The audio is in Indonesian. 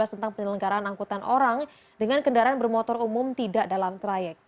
tentang penyelenggaran angkutan orang dengan kendaraan bermotor umum tidak dalam trayek